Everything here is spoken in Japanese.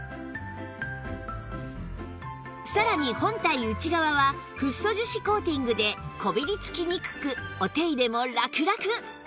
さらに本体内側はフッ素樹脂コーティングでこびりつきにくくお手入れもラクラク！